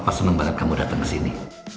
papa seneng banget kamu datang kesini